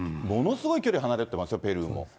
ものすごい距離離れてますよ、ペルーは。